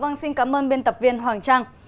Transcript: vâng xin cảm ơn biên tập viên hoàng trang